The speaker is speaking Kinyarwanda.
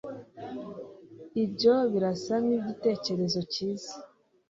Ibyo birasa nkigitekerezo cyiza.